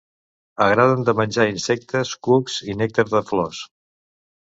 Agraden de menjar insectes, cucs, i nèctar de flors.